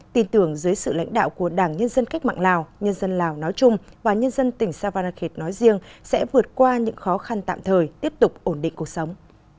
tin tưởng dưới sự lãnh đạo của đảng nhân dân cách mạng lào nhân dân lào nói chung và nhân dân tỉnh savanakhet nói riêng sẽ vượt qua những khó khăn tạm thời tiếp tục ổn định cuộc sống